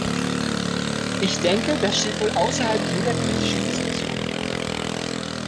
Ich denke, das steht wohl außerhalb jeder kritischen Diskussion.